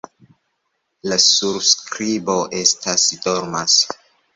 La surskribo estas: "dormas".